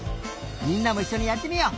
みんなもいっしょにやってみよう！